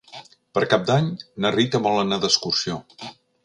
Per Cap d'Any na Rita vol anar d'excursió.